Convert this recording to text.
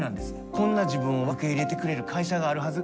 こんな自分を受け入れてくれる会社があるはず。